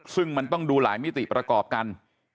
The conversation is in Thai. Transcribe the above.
ซึ่งมันต้องดูหลายมิติประกอบกัน